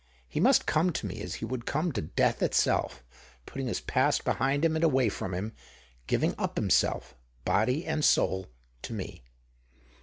He must come to me as he would come to death itself, putting his past behind him and away from him, giving up himself, body and soul, to me.